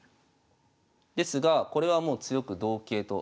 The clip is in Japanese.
ですがこれはもう強く同桂と。